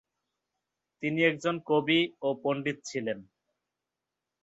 তিনি একজন কবি ও পণ্ডিত ছিলেন।